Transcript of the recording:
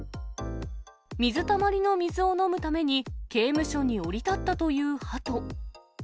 水たまりの水を飲むために刑務所に降り立ったというハト。